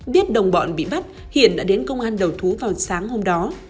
biết đồng bọn bị bắt hiện đã đến công an đầu thú vào sáng hôm đó